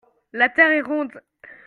la terre est ronde.